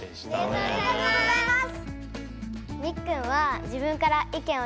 ありがとうございます。